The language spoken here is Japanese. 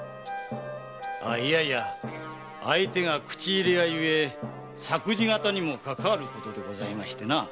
相手が口入れ屋ゆえ作事方にもかかわることでございましてな。